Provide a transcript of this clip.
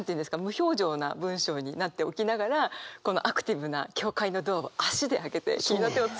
無表情な文章になっておきながらこのアクティブな「教会のドアを足で開けて君の手を強く握って」って。